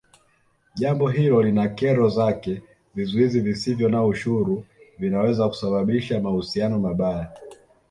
Jambo hilo lina kero zake vizuizi visovyo na ushuru vinaweza kusababisha mahusiano mabaya